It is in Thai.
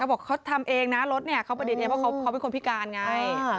เขาบอกว่าเขาทำเองนะรถเนี่ยเขาปฏิเทียมว่าเขาเป็นคนพิการไง